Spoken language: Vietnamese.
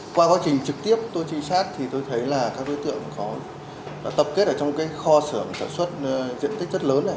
qua quá trình trực tiếp tôi trinh sát thì tôi thấy là các đối tượng có tập kết ở trong cái kho xưởng sản xuất diện tích rất lớn này